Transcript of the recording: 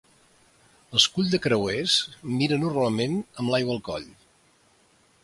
L'escull de creuers mira normalment amb l'aigua al coll.